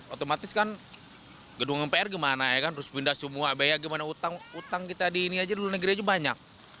otomatis kan gedung mpr gimana ya kan terus pindah semua bayar gimana utang kita di negeri aja banyak